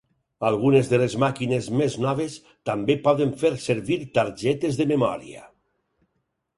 Algunes de les màquines més noves també poden fer servir targetes de memòria.